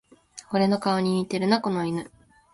俺の顔に似てるな、この犬